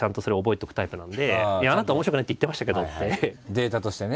データとしてね。